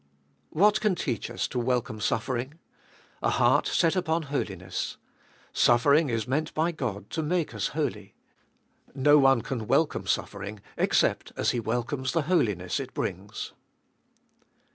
1. What can teach us to welcome suffering ? A heart set upon holiness. Suffering is meant by God to make us holy. No one can welcome suffering except as he welcomes the holiness it brings.